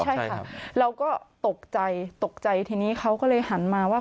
ใช่ค่ะเราก็ตกใจตกใจทีนี้เขาก็เลยหันมาว่า